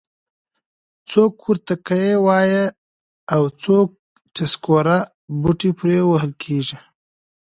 څوک ورته کیه وایي او څوک ټسکوره. بوټي پرې وهل کېږي.